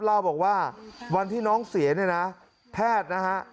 เล่าบอกว่าวันที่น้องเสียเนี่ยนะแพทย์นะฮะ